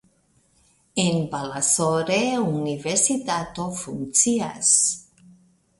En Balasore universitato funkcias.